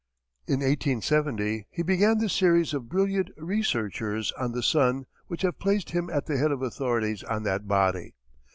In 1870, he began the series of brilliant researches on the sun which have placed him at the head of authorities on that body.